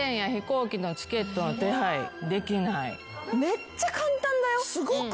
めっちゃ簡単だよ。